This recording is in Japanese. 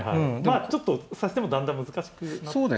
まあちょっと指し手もだんだん難しくなって。